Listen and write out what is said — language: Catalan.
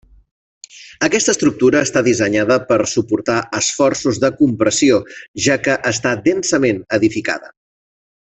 Aquesta estructura està dissenyada per suportar esforços de compressió, ja que està densament edificada.